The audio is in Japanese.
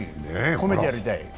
褒めてやりたい。